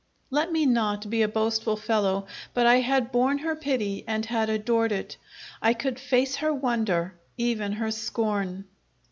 Let me not be a boastful fellow, but I had borne her pity and had adored it I could face her wonder, even her scorn.